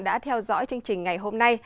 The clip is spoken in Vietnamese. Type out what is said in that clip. đã theo dõi chương trình ngày hôm nay